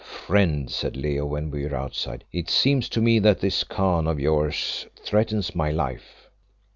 "Friend," said Leo, when we were outside, "it seems to me that this Khan of yours threatens my life."